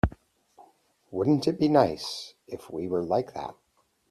Wouldn't it be nice if we were like that?